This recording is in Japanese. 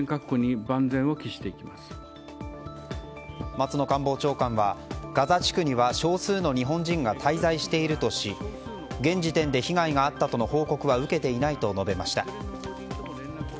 松野官房長官は、ガザ地区には少数の日本人が滞在しているとし現時点で被害があったとの報告は受けていないと述べました。